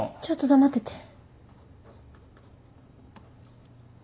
ちょっと黙ってて。